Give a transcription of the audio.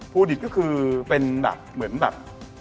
ดิตก็คือเป็นแบบเหมือนแบบ